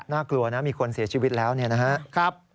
น่ากลัวนะมีคนเสียชีวิตแล้วเนี่ยนะครับ